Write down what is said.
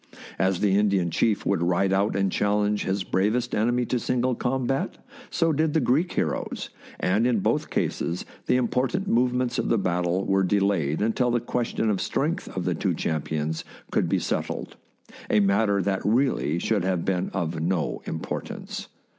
As the Indian chief would ride out and challenge his bravest enemy to single combat, so did the Greek heroes, and in both cases the important movements of the battle were delayed until the question of strength of the two champions could be settled — a matter that really should have been of no importance.